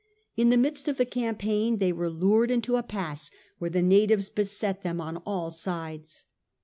In the midst of the campaign they were lured into a pass where the natives beset them on all sides.